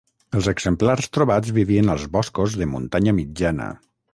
Els exemplars trobats vivien als boscos de muntanya mitjana.